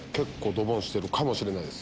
ドボンしてるかもしれないです